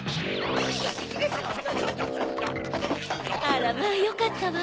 あらまぁよかったわ。